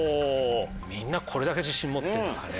みんなこれだけ自信持ってるんだからね。